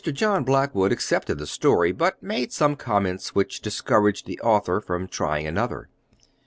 John Blackwood accepted the story, but made some comments which discouraged the author from trying another.